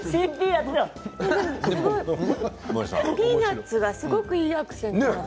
ピーナツがすごくいいアクセント。